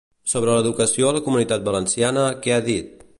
Sobre l'educació a la Comunitat Valenciana, què ha dit?